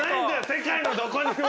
世界のどこにも！